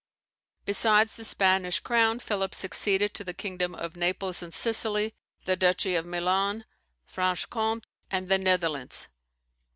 Besides the Spanish crown, Philip succeeded to the kingdom, of Naples and Sicily, the Duchy of Milan, Franche Comte, and the Netherlands.